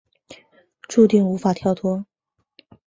注定无法跳脱